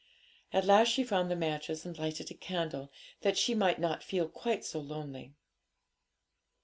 At last she found the matches and lighted a candle, that she might not feel quite so lonely.